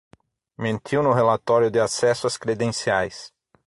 Mentiu no relatório de acesso às credenciais